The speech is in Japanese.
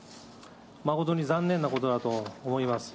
誠に残念なことだと思います。